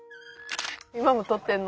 今も撮ってんの？